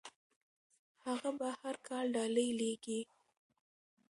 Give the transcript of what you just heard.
هغه به هر کال ډالۍ لیږي.